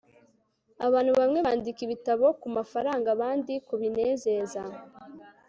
abantu bamwe bandika ibitabo kumafaranga, abandi kubinezeza